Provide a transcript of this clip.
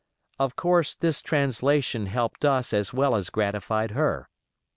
Of course this translation helped us as well as gratified her.